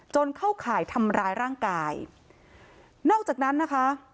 เข้าข่ายทำร้ายร่างกายนอกจากนั้นนะคะ